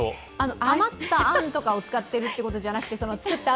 余ったあんとかを使ってるとかいうことじゃなくて？